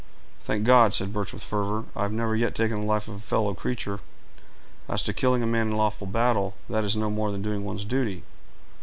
"Thank God!" said Birch, with fervor, "I have never yet taken the life of a fellow creature." "As to killing a man in lawful battle, that is no more than doing one's duty.